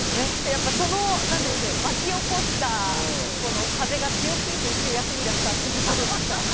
やっぱりその巻き起こした風が強すぎて１週、休みだったということですか？